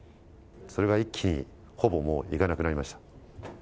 それが一気に、ほぼもういかなくなりました。